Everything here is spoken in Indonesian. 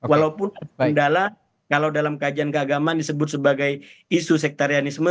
walaupun ada kendala kalau dalam kajian keagamaan disebut sebagai isu sektarianisme